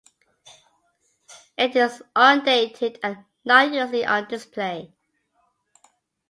It is undated and not usually on display.